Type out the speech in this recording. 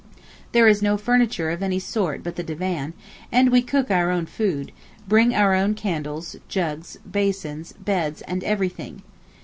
There is no furniture of any sort but the divan, and we cook our own food, bring our own candles, jugs, basins, beds and everything.